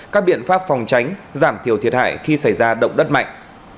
các biện pháp phòng tránh giảm thiểu thiệt hại khi xảy ra động đất mạnh